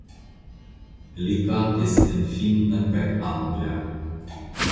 Li kantis en finna kaj angla.